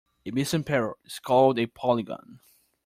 A missing parrot is called a polygon.